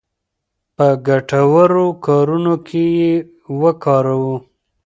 په ګټورو کارونو کې یې وکاروو.